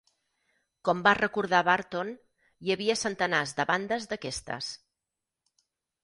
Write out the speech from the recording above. Com va recordar Barton: hi havia centenars de bandes d'aquestes.